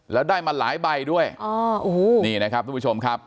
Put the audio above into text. แล้วได้มาหลายใบด้วยอ๋อโอ้โหนี่นะครับทุกผู้ชมครับ